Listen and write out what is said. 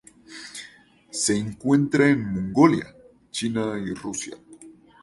Se encuentra en Mongolia, China y Rusia.